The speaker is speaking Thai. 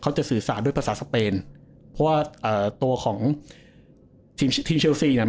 เขาจะสื่อสาลด้วยภาษาสเปนเพราะว่าเอ่อตัวของทีมชีทีมเชลซีเนี้ย